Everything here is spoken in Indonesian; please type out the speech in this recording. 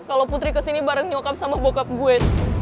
kalau putri kesini bareng nyokap sama bokap gue